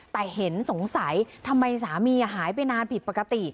แต่เห็นสงสัยทำไมสามีหายไปนานผิดปกติ